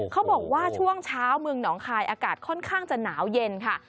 เขาบอกว่าช่วงเช้าเมืองหนองคายอากาศค่อนข้างจะหนาวเย็นค่ะ